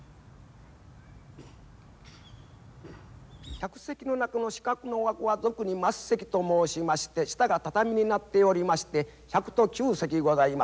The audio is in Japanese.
客席の中の四角の枠は俗に升席と申しまして下が畳になっておりまして１００と９席ございます。